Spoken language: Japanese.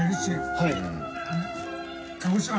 はい。